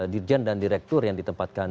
dirjen dan direktur yang ditempatkan